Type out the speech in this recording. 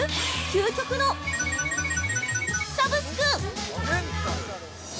究極の○○サブスク。